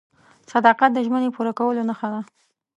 • صداقت د ژمنې پوره کولو نښه ده.